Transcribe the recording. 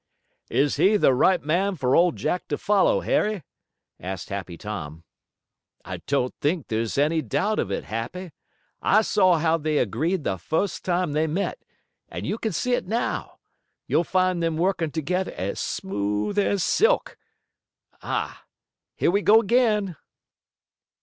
"Is he the right man for Old Jack to follow, Harry?" asked Happy Tom. "I don't think there's any doubt of it, Happy. I saw how they agreed the first time they met, and you can see it now. You'll find them working together as smooth as silk. Ah, here we go again!"